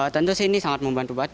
tentu ini sangat membantu banget